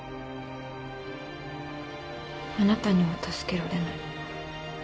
あなたには助けられない。